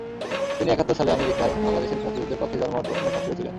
তিনি একাত্তর সালে আমেরিকায় বাংলাদেশের মুক্তিযুদ্ধের পক্ষে জনমত গঠনে সক্রিয় ছিলেন।